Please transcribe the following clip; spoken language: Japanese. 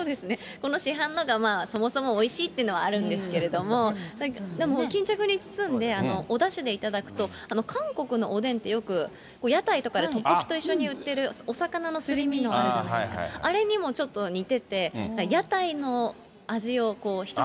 この市販のが、そもそもおいしいっていうのはあるんですけれども、でも巾着に包んで、おだしで頂くと、韓国のおでんってよく屋台とかでトッポギと一緒に売ってる、お魚のすり身あるじゃないですか、あれにもちょっと似てて、屋台の味